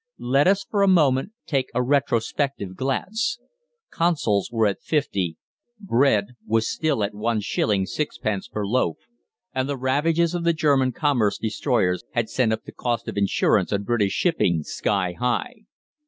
Let us for a moment take a retrospective glance. Consols were at 50; bread was still 1_s._ 6_d._ per loaf; and the ravages of the German commerce destroyers had sent up the cost of insurance on British shipping sky high.